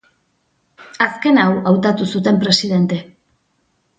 Azken hau hautatu zuten presidente.